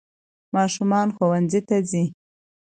ماشومان ښونځي ته ځي